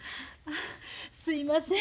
すいません。